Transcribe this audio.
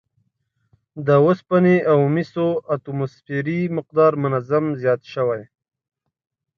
د اوسپنې او مسو اتوموسفیري مقدار منظم زیات شوی